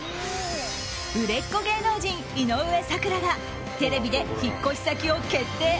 売れっ子芸能人・井上咲楽がテレビで引っ越し先を決定